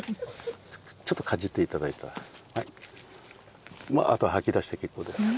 ちょっとかじって頂いたらもうあとは吐き出して結構ですから。